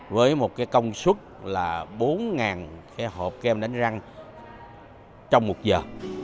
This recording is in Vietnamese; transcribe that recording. với một cái công suất là bốn cái hộp kem đánh răng trong một giờ